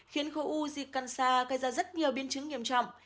khiến khối u di căn xa gây ra rất nhiều biên chứng nghiêm trọng